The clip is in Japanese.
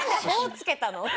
つけたの？